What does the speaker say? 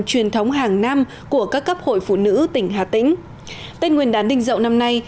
truyền thống hàng năm của các cấp hội phụ nữ tỉnh hà tĩnh tết nguyên đán đình dậu năm nay